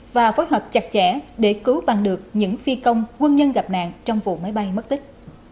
và phối hợp chặt chẽ để cứu bằng được những phi công quân nhân gặp nạn trong vụ máy bay mất tích